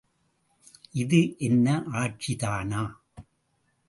இது என்ன ஆட்சிதானா?